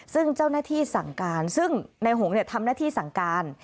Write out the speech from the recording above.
ซึ่งเจ้าหน้าที่สั่งการซึ่งในหงษ์ทำหน้าที่สั่งการ